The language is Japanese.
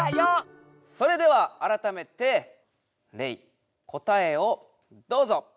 それではあらためてレイ答えをどうぞ！